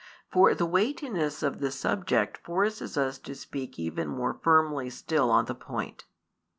For the weightiness of the subject forces us to speak even more firmly still on the point.